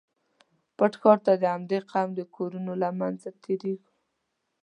پټ ښار ته د همدې قوم د کورونو له منځه تېرېږو.